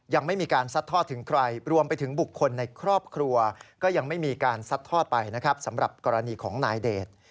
ยังไม่มีการซัดทอดถึงใครรวมไปถึงบุคคลในครอบครัวก็ยังไม่มีการซัดทอดไปนะครับสำหรับกรณีของนายเดช